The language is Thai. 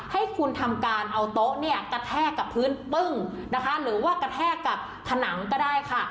ให้คุณทำการเอาโต๊ะเนี่ยกระแทกกับพื้นปึ้งนะคะหรือว่ากระแทกกับผนังก็ได้ค่ะ